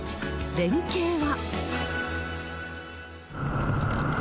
連携は。